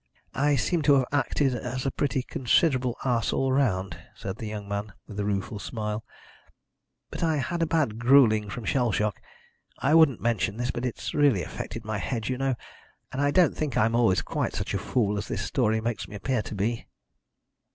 I seem to have acted as a pretty considerable ass all round," said the young man, with a rueful smile. "But I had a bad gruelling from shell shock. I wouldn't mention this, but it's really affected my head, you know, and I don't think I'm always quite such a fool as this story makes me appear to be."